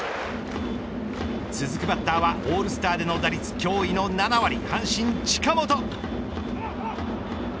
続くバッターはオールスターでの打率、驚異の７割阪神、近本。